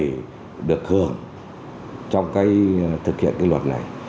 người được hưởng trong thực hiện luật này